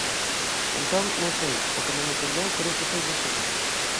Entón, non sei, o que non entendeu creo que foi vostede.